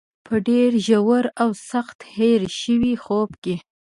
په ډېر ژور او سخت هېر شوي خوب کې.